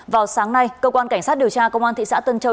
vào sáng nay cơ quan cảnh sát điều tra công an thị xã tân châu